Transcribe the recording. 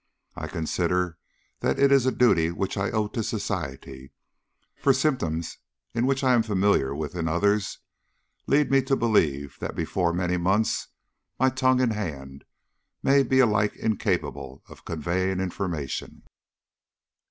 I consider that it is a duty which I owe to society, for symptoms which I am familiar with in others lead me to believe that before many months my tongue and hand may be alike incapable of conveying information.